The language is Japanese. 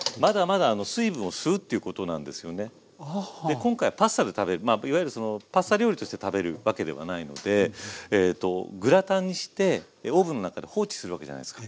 今回はパスタで食べるいわゆるそのパスタ料理として食べるわけではないのでグラタンにしてオーブンの中で放置するわけじゃないですか。